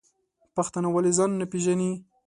پښتانه ولی ځان نه پیژنی؟